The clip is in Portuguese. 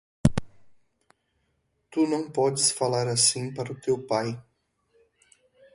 Tu não podes falar assim para o teu pai!